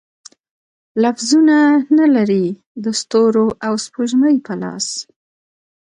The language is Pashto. لفظونه، نه لري د ستورو او سپوږمۍ په لاس